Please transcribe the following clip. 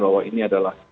bahwa ini adalah